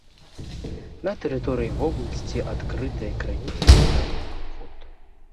На тэрыторыі вобласці адкрытыя крыніцы мінеральных вод.